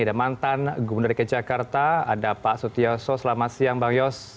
ada mantan gubernur dki jakarta ada pak sutioso selamat siang bang yos